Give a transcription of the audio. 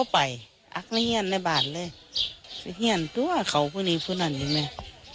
พ่อไปอักเลี่ยนในบ้านเลยเลี่ยนด้วยเขาพูดนี้พูดนั้นดิแม่